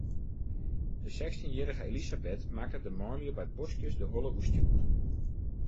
De sechstjinjierrige Elisabeth makket de manlju by boskjes de holle oerstjoer.